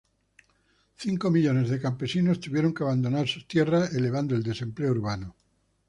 Cinco millones de campesinos tuvieron que abandonar sus tierras, elevando el desempleo urbano.